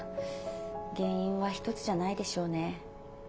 原因は１つじゃないでしょうね。